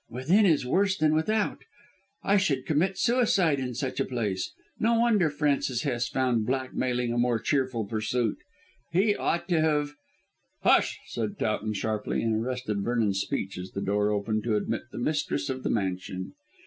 "Within is worse than without. I should commit suicide in such a place. No wonder Francis Hest found blackmailing a more cheerful pursuit. He ought to have " "Hush!" said Towton sharply, and arrested Vernon's speech as the door opened to admit the mistress of the mansion.